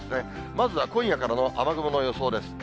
まずは今夜からの雨雲の予想です。